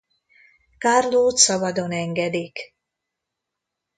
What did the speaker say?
Carlót szabadon engedik.